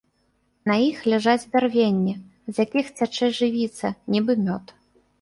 На іх ляжаць бярвенні, з якіх цячэ жывіца, нібы мёд.